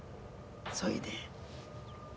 そいで。